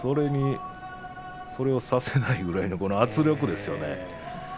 それをさせないぐらいの圧力ですよね。